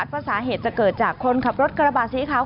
ว่าสาเหตุจะเกิดจากคนขับรถกระบะสีขาว